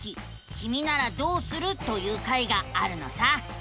キミならどうする？」という回があるのさ。